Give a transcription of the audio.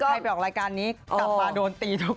ใครไปออกรายการนี้กลับมาโดนตีทุก